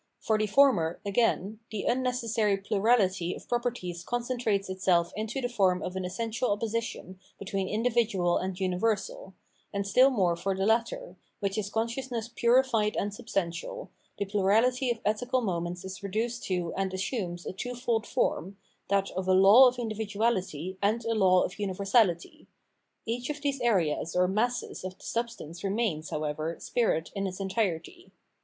For the former, again, the unnecessary plurality of proper ties concentrates itself into the form of an essential opposition between individual and universal ; and still more for the latter, which is consciousness puri fied and substantial, the plurality of ethical moments is reduced to and assumes a twofold form, that of a law of individuahty and a law of universahty. Each of these areas or masses of the substance remains, how ever, spirit in its entirety.